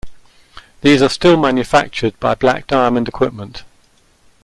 These are still manufactured by Black Diamond Equipment.